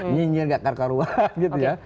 nyinyir gak karuan gitu ya